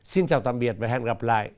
xin chào tạm biệt và hẹn gặp lại